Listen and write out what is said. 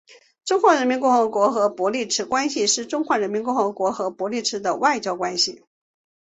中华人民共和国与伯利兹关系是指中华人民共和国与伯利兹的外交关系。